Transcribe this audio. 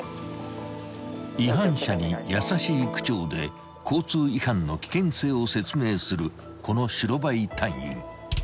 ［違反者に優しい口調で交通違反の危険性を説明するこの白バイ隊員］